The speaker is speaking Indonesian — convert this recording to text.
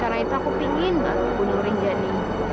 karena itu aku pengen banget bunuh rinjani